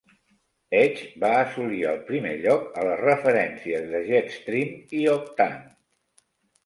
Edge va assolir el primer lloc a les referències de Jetstream i Octane.